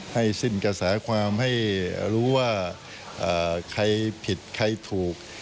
ให้สิ้นกระแสความให้รู้ว่าใครผิดใครถูก